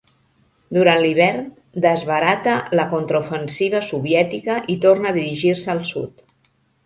Durant l'hivern desbarata la contraofensiva soviètica i torna a dirigir-se al sud.